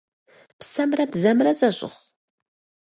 Псэмрэ бзэмрэ зэщӀыгъу?